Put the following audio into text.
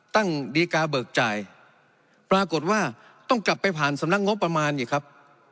ดีการ์เบิกจ่ายปรากฏว่าต้องกลับไปผ่านสำนักงบประมาณอีกครับ